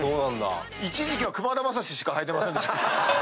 一時期はくまだまさししかはいてませんでした。